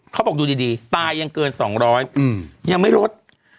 เขาบอกดูดีตายยังเกิน๒๐๐ยังไม่ลด